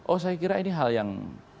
oh saya kira ini hal yang